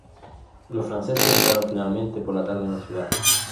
Los franceses entraron finalmente por la tarde en la ciudad.